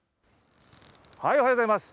おはようございます。